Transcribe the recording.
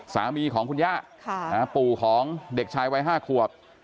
สามีของคุณย่าปู่ของเด็กชายวัย๕ขวบ